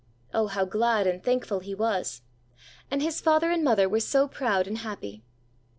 Oh, how glad and thankful he was! And his father and mother were so proud and happy.